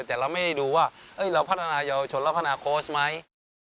แต่ไม่ได้ดูว่าเราพัฒนายาวชนและกี่อาหารใหม่